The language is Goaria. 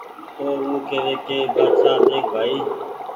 تو او ڪيوي ڪي بآڇآ ۮيک ڀآئي